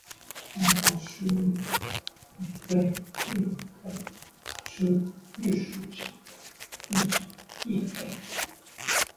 矮早熟禾为禾本科早熟禾属下的一个种。